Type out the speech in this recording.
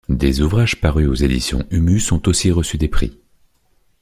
Des ouvrages parus aux éditions HumuS ont aussi reçus des prix.